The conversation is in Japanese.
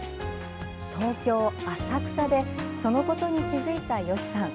東京・浅草でそのことに気づいた吉さん。